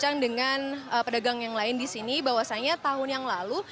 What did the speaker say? berbincang dengan pedagang yang lain di sini bahwasannya tahun yang lalu